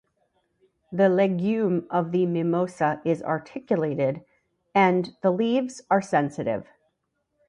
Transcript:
The legume of the Mimosa is articulated, and the leaves are sensitive.